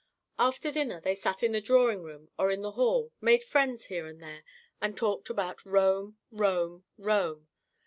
After dinner they sat in the drawing room or in the hall, made friends here and there and talked about Rome, Rome, Rome.